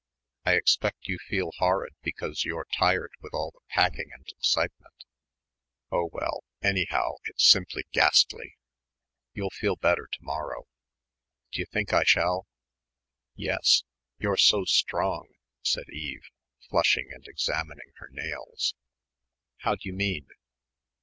I expect you feel horrid because you're tired with all the packing and excitement." "Oh well, anyhow, it's simply ghastly." "You'll feel better to morrow." "D'you think I shall?" "Yes you're so strong," said Eve, flushing and examining her nails. "How d'you mean?"